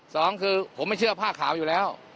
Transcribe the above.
สองคือผมไม่เชื่อผ้าขาวอยู่แล้ว